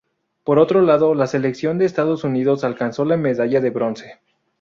Por otro lado, la selección de Estados Unidos alcanzó la medalla de bronce.